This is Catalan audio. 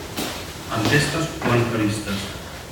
Enquestes o entrevistes.